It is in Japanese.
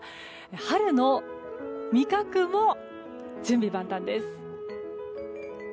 春の味覚も準備万端です。